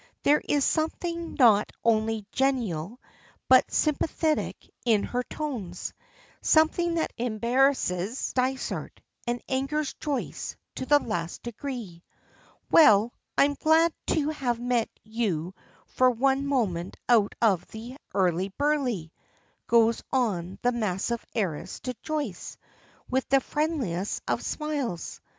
There is something not only genial, but sympathetic in her tones, something that embarrasses Dysart, and angers Joyce to the last degree. "Well, I'm glad to have met you for one moment out of the hurly burly," goes on the massive heiress to Joyce, with the friendliest of smiles.